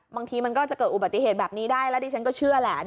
บางทีมันก็จะเกิดอุบัติเหตุแบบนี้ได้แล้วดิฉันก็เชื่อแหละ